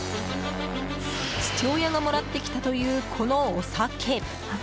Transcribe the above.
父親がもらってきたというこのお酒。